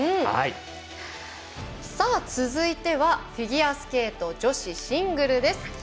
さあ、続いてはフィギュアスケート女子シングルです。